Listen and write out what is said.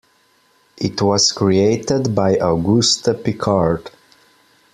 It was created by Auguste Piccard.